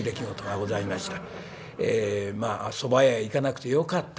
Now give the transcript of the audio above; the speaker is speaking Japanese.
そば屋へ行かなくてよかった。